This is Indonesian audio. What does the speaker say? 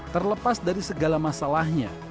terlepas dari segala masalahnya